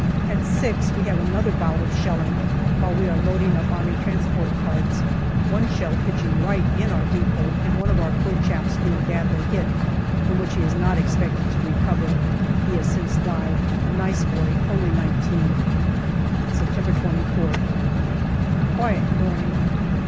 At six we have another bout of shell ing, while we are loading up A.T. carts, one shell pitching right in our depot, and one of our poor chaps being badly hit, from which he is not expected to recover. (He has since died. A nice boy, only nineteen.) SEPTEMBER 233 September 24,th. A quiet morning.